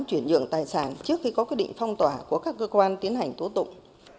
chuyển dựng tài sản trước khi có quy định phong tỏa của các cơ quan tiến hành tố tụng